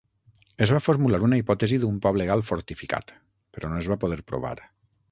Es va formular una hipòtesi d'un poble gal fortificat, però no es va poder provar.